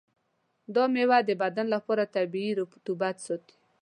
دا میوه د بدن لپاره طبیعي رطوبت ساتي.